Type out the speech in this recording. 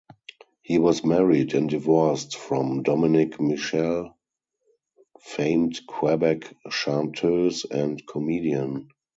He was married and divorced from Dominique Michel, famed Quebec chanteuse and comedian.